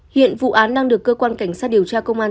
hiện vụ án đang được cơ quan cảnh sát điều tra công an